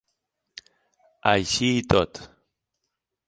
Així i tot.